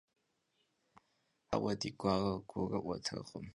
Xı f'ıts'em yêmıne xhuaue di guauer gurı'uertekhım.